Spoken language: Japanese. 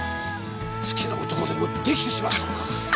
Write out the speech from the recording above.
好きな男でもできてしまったのか？